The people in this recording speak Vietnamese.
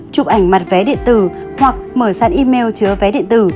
chụp ảnh mặt vé điện tử hoặc mở sàn email chứa vé điện tử